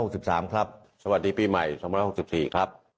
หกสิบสามครับสวัสดีปีใหม่สองพันห้าร้อยหกสิบสี่ครับ